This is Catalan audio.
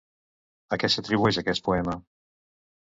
A què s'atribueix aquest poema?